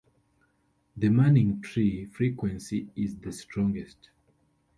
The Manningtree frequency is the strongest.